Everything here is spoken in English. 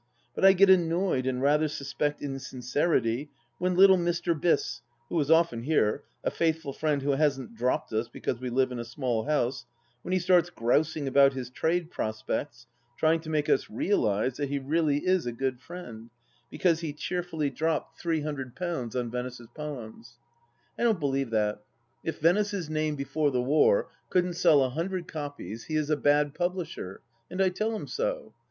But I get armoyed and rather suspect insincerity when little Mr. Biss, who is often here — a faithful friend who hasn't dropped us because we live in a small house — ^when he starts grousing about his trade prospects, trying to make us realize (?) that he really is a good friend, because he cheerfully dropped three 250 THE LAST DITCH hundred pounds on Venice's poems. I don't believe that. If Venice's name, before the war, couldn't sell a hundred copies, he is a bad publisher, and I tell him so.